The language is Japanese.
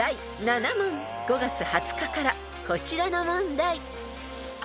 ［５月２０日からこちらの問題］